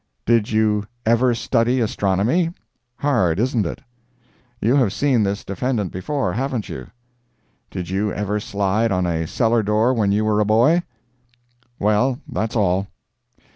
"Did you ever study astronomy?—hard, isn't it?" "You have seen this defendant before, haven't you?" "Did you ever slide on a cellar door when you were a boy?" "Well—that's all."